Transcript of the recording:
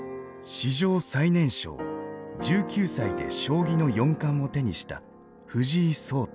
史上最年少１９歳で将棋の四冠を手にした藤井聡太。